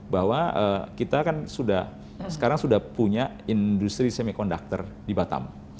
bahwa kita kan sudah sekarang sudah punya industri semikonduktor di batam